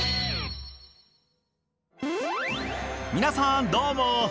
皆さんどうも！